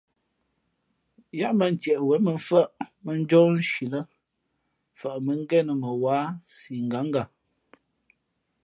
Yáá mbᾱ ntieʼ wěn mαmfάʼ mᾱnjɔ́ nshi lά mfαʼ bᾱ ngénα mα wǎ si ngǎnga.